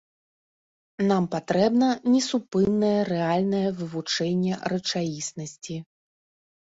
Нам патрэбна несупыннае рэальнае вывучэнне рэчаіснасці.